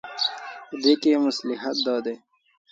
په دې کې مصلحت دا دی.